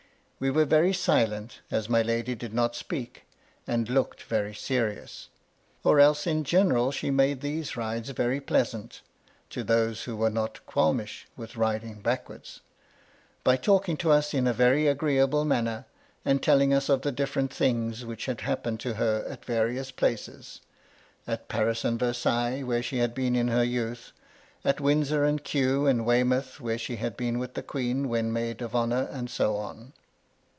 We were very silent, as my lady did not speak, and looked very serious. Or else, in general, she made these rides very pleasant (to those who were not qualmish, with riding backwards), by talking to us in a very agreeable manner, and telling us of the different things which had happened to her at various places, — at Paris and Versailles, where she had been in her youth, — at Windsor and Kew and Wey mouth, where she had been with the Queen, when maid of honour — and so on.